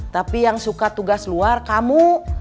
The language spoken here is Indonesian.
tapi yang suka tugas luar kamu